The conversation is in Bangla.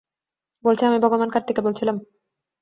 বলছি, আমি ভগবান কার্তিকে বলেছিলাম।